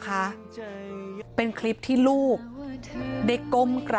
คุณผู้ชมค่ะคุณผู้ชมค่ะ